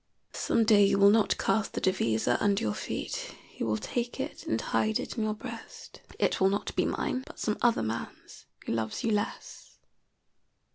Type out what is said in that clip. Some day you will not cast the devisa under your feet. You will take it and hide it in your breast. It will not be mine, but some other man's who loves you less.